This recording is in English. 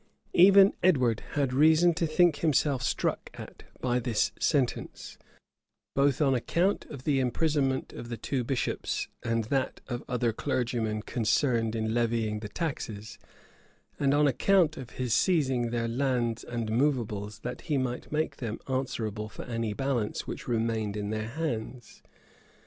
Even Edward had reason to think himself struck at by this sentence; both on account of the imprisonment of the two bishops and that of other clergymen concerned in levying the taxes, and on account of his seizing their lands and movables, that he might make them answerable for any balance which remained in their hands.